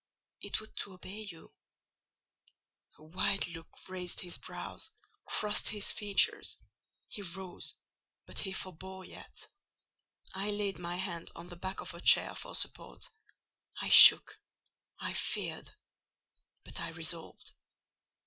"It would to obey you." A wild look raised his brows—crossed his features: he rose; but he forebore yet. I laid my hand on the back of a chair for support: I shook, I feared—but I resolved.